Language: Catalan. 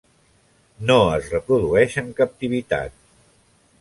No es reprodueix en captivitat.